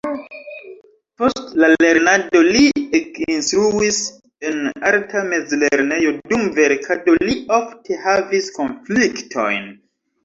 Post la lernado li ekinstruis en arta mezlernejo, dum verkado li ofte havis konfliktojn.